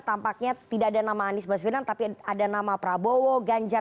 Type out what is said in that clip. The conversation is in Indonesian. tampaknya tidak ada nama anies baswedan tapi ada nama prabowo ganjar